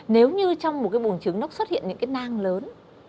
nếu như trong một cái bùn trứng nó xuất hiện những cái nang lớn